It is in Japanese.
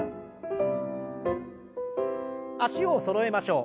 脚をそろえましょう。